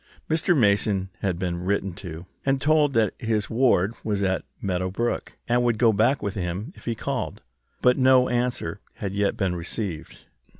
Mr. Mason had been written to, and told that his ward was at Meadow Brook, and would go back with him if he called. But no answer had yet been received.